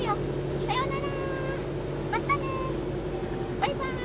バイバーイ。